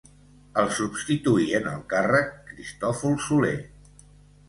El substituí en el càrrec Cristòfol Soler.